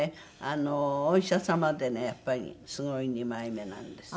あのお医者様でねやっぱりすごい二枚目なんです。